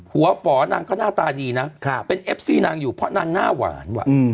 ฝอนางก็หน้าตาดีนะเป็นเอฟซี่นางอยู่เพราะนางหน้าหวานว่ะ